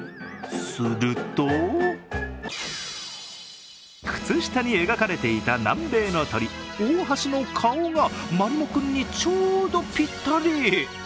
すると、靴下に描かれていた南米の鳥オオハシの顔がまりも君にちょうどピッタリ。